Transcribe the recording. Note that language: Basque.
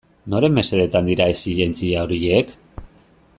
Noren mesedetan dira exijentzia horiek?